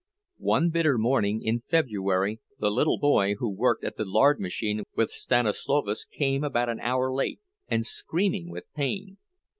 One bitter morning in February the little boy who worked at the lard machine with Stanislovas came about an hour late, and screaming with pain.